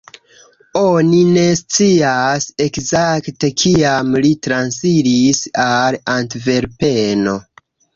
Oni ne scias ekzakte kiam li transiris al Antverpeno.